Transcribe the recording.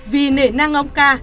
vì nể năng ông ca